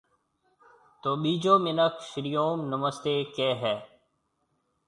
تو ٻِيجو مِنک شرِي اوم نمستيَ ڪهيََ هيَ۔